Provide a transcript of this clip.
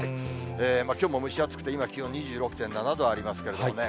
きょうも蒸し暑くて、今、気温２６．７度ありますけれどもね。